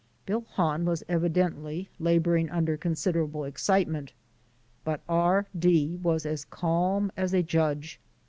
Bill Hahn was evidently labouring under considerable excitement, but R D was as calm as a judge.